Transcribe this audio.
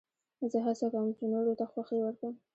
زه هڅه کوم، چي نورو ته خوښي ورکم.